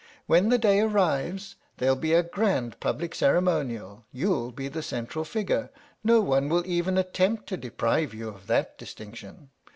When the day arrives there'll be a grand public ceremonial you'll be the central figure no one will even attempt to deprive you of that distinction.